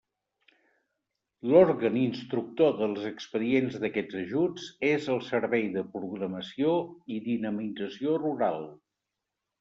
L'òrgan instructor dels expedients d'aquests ajuts és el Servei de Programació i Dinamització Rural.